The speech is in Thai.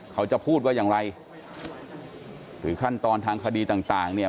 เขาจะพูดว่าอย่างไรหรือขั้นตอนทางคดีต่างต่างเนี่ย